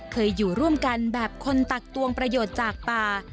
เคยอยู่ร่วมกันแบบคนตักตวงประโยชน์จากป่า